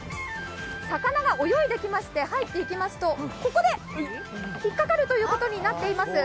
魚が泳いできまして入ってきますとここで引っかかるということになっています。